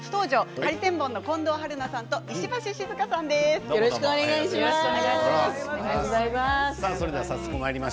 ハリセンボンの近藤春菜さんと石橋静河さんです。